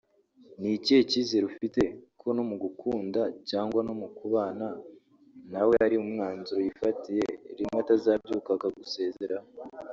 ni ikihe cyizere ufite ko no mu kugukunda cyangwa mu kubana nawe ari umwanzuro yifatiye rimwe atazabyuka akagusezeraho